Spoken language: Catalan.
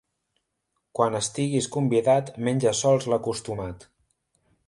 Quan estiguis convidat, menja sols l'acostumat.